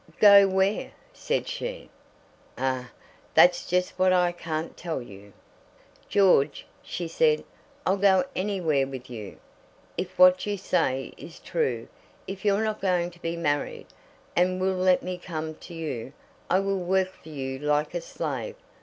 "Go where?" said she. "Ah! that's just what I can't tell you." "George," she said, "I'll go anywhere with you. If what you say is true, if you're not going to be married, and will let me come to you, I will work for you like a slave.